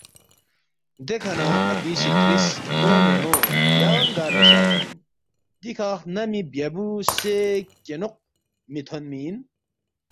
دیکھہ نہ اپی سی ترِس ”لے نونو یانگ گار نہ شخفی اِن؟ دِکھہ خنمی بیابُو سے کینوق مِہ تھونمی اِن